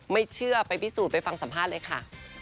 ไม่เชื่อไปพิสูจน์ไปฟังสัมภาษณ์เลยค่ะ